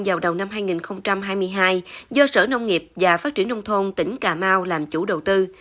vào đầu năm hai nghìn hai mươi hai do sở nông nghiệp và phát triển nông thôn tỉnh cà mau làm chủ đầu tư